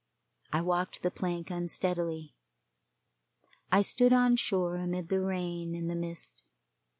I walked the plank unsteadily. I stood on shore amid the rain and the mist.